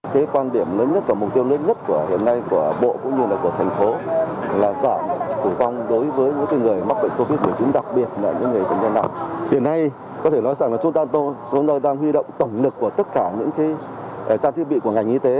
hiện nay có thể nói rằng chúng ta đang huy động tổng lực của tất cả những trang thiết bị của ngành y tế